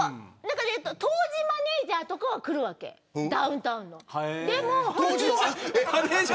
当時のマネジャーとかは来るわけ、ダウンタウンの。